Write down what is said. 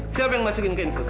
siapa yang masukin ke infus